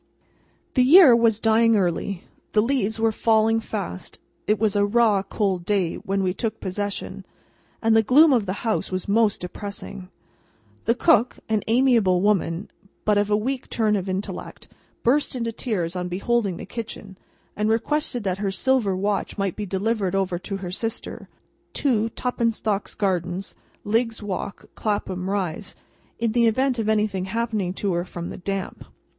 The year was dying early, the leaves were falling fast, it was a raw cold day when we took possession, and the gloom of the house was most depressing. The cook (an amiable woman, but of a weak turn of intellect) burst into tears on beholding the kitchen, and requested that her silver watch might be delivered over to her sister (2 Tuppintock's Gardens, Liggs's Walk, Clapham Rise), in the event of anything happening to her from the damp.